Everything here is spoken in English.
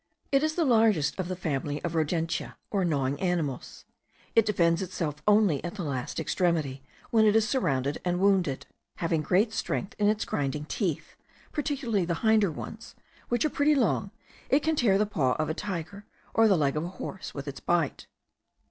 It is the largest of the family of rodentia or gnawing animals. It defends itself only at the last extremity, when it is surrounded and wounded. Having great strength in its grinding teeth,* particularly the hinder ones, which are pretty long, it can tear the paw of a tiger, or the leg of a horse, with its bite.